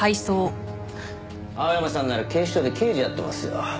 青山さんなら警視庁で刑事やってますよ。